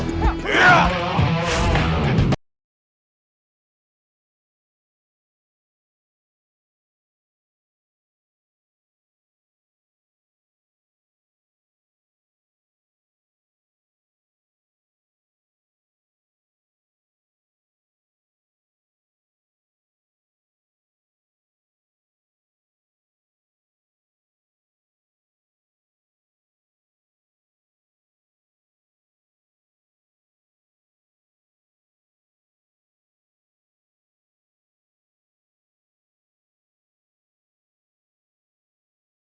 gak ada lu